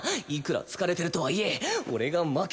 いくら疲れてるとはいえバサッ！